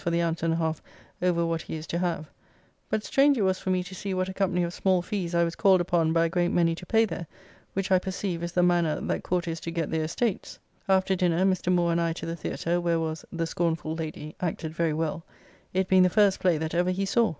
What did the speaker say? for the ounce and half over what he is to have; but strange it was for me to see what a company of small fees I was called upon by a great many to pay there, which, I perceive, is the manner that courtiers do get their estates. After dinner Mr. Moore and I to the Theatre, where was "The Scornful Lady," acted very well, it being the first play that ever he saw.